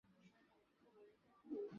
অপেক্ষায় রইলাম, এডি।